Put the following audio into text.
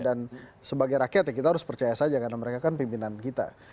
dan sebagai rakyat ya kita harus percaya saja karena mereka kan pimpinan kita